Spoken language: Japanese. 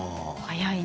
早い。